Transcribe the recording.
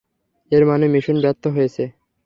এর মানে, মিশন ব্যর্থ হয়েছে।